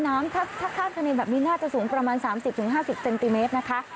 น้ำถ้าข้ามทะเลแบบนี้น่าจะสูงประมาณ๓๐๕๐เซนติเมตรนะคะ